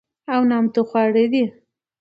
او نامتو خواړه دي،